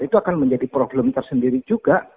itu akan menjadi problem tersendiri juga